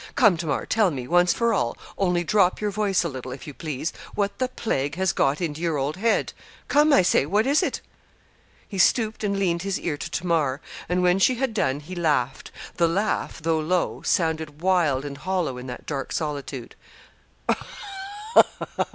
Come, Tamar, tell me, once for all only drop your voice a little, if you please what the plague has got into your old head. Come, I say, what is it?' He stooped and leaned his ear to Tamar; and when she had done, he laughed. The laugh, though low, sounded wild and hollow in that dark solitude.